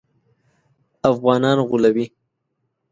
افغانان غولوي.